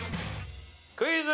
クイズ。